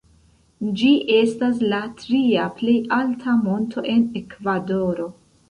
Ĝi estas la tria plej alta monto en Ekvadoro.